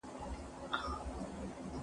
ښوونکي د روښانه سبا لپاره کار کوي.